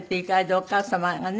お母様がね